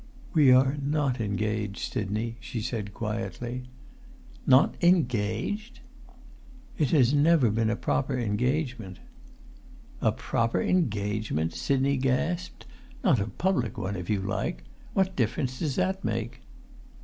"We are not engaged, Sidney," she said quietly. "Not—engaged?" "It has never been a proper engagement." "A proper engagement!" Sidney gasped. "Not a public one, if you like! What difference does that make?"